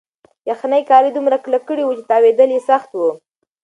یخنۍ کالي دومره کلک کړي وو چې تاوېدل یې سخت وو.